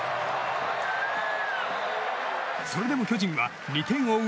それでも巨人は２点を追う